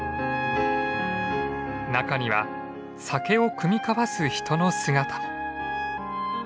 中には酒を酌み交わす人の姿も。